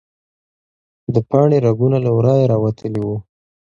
د پاڼې رګونه له ورایه راوتلي وو.